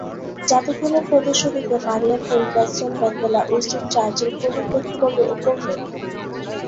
জাদুঘরের প্রদর্শনীতে Maria Curie, Nelson Mandela, Winston Churchill প্রমুখ ব্যক্তিবর্গের উপর হয়ে থাকে।